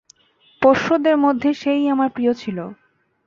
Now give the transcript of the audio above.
পোষ্যদের মধ্যে সে-ই আমার প্রিয় ছিল।